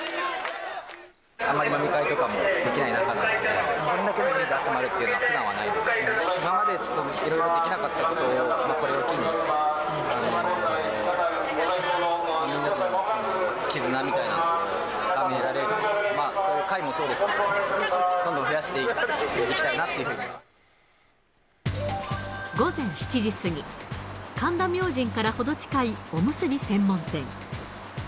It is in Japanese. あんまり飲み会とかもできない中だったんで、こんだけの人数が集まるというのは、ふだんはないので、今までちょっとできなかったことを、これを機に、みんなの絆みたいなのを深められる、そういう機会もそうですけど、どんどん増やしていきたいなって午前７時過ぎ、神田明神から程近いおむすび専門店。